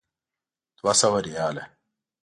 دوه سوه ریاله.